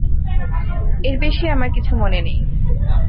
এর বেশি আমার কিছু মনে নেই।